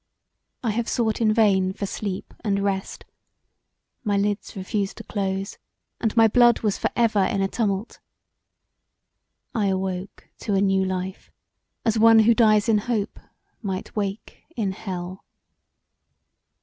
I have sought in vain for sleep and rest; my lids refused to close, and my blood was for ever in a tumult. I awoke to a new life as one who dies in hope might wake in Hell.